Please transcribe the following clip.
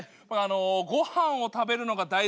ごはんを食べるのが大好きなんですよ。